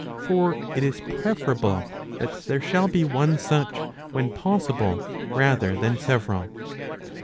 For it is preferable that there shall be one such, when possible, rather than several.